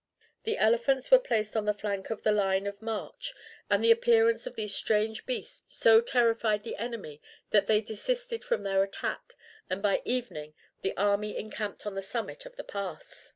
The elephants were placed on the flank of the line of march, and the appearance of these strange beasts so terrified the enemy that they desisted from their attack, and by evening the army encamped on the summit of the pass.